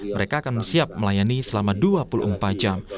mereka akan siap melayani selama dua puluh empat jam